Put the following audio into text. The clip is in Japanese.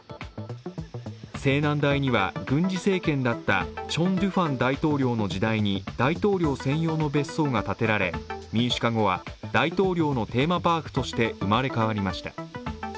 青南台には軍事政権だったチョン・ドゥファン大統領の時代に大統領専用の別荘が建てられ、民主化後は大統領のテーマパークとして生まれ変わりました。